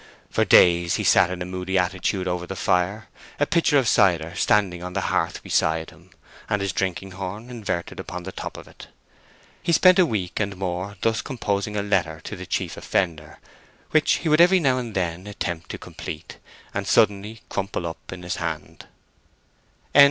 For days he sat in a moody attitude over the fire, a pitcher of cider standing on the hearth beside him, and his drinking horn inverted upon the top of it. He spent a week and more thus composing a letter to the chief offender, which he would every now and then attempt to complete, and suddenly crumple up in his hand.